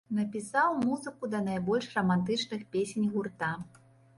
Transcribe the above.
Напісаў музыку да найбольш рамантычных песень гурта.